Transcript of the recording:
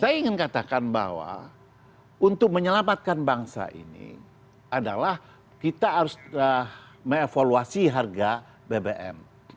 saya ingin katakan bahwa untuk menyelamatkan bangsa ini adalah kita harus mengevaluasi harga bbm